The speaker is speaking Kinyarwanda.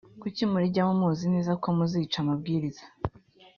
kuki murijyamo muzi neza ko muzica amabwiriza